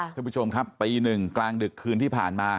ท่านผู้ชมครับตีหนึ่งกลางดึกคืนที่ผ่านมา